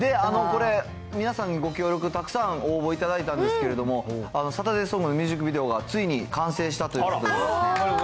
これ、皆さんのご協力、応募いただいたんですけども、サタデーソングのミュージックビデオがついに完成したということでですね。